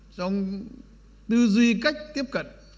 trong tư duy cách tiếp cận